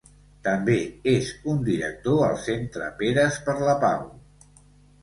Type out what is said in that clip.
També és un director al Centre Peres per la Pau.